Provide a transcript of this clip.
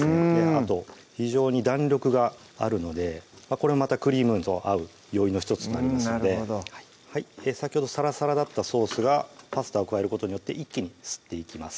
あと非常に弾力があるのでこれもまたクリームと合う要因の１つになりますので先ほどサラサラだったソースがパスタを加えることによって一気に吸っていきます